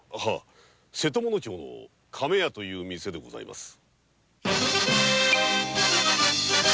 瀬戸物町の亀屋なる店でございます。